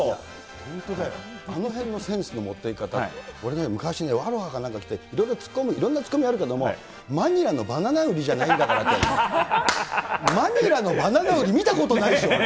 本当だよ、あのへんのセンスの持っていき方、俺ね、昔ね、アロハかなんか着ていろんなツッコミあるけど、マニラのバナナ売りじゃないんだからって。マニラのバナナ売り、見たことないし、俺。